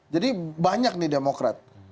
jadi banyak nih demokrat